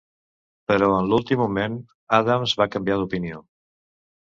Però en l'últim moment, Adams va canviar d'opinió.